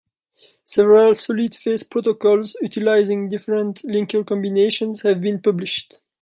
Several solid-phase protocols utilizing different linker combinations have been published.